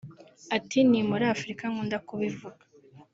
Ati “Ni muri Afurika nkunda kubivuga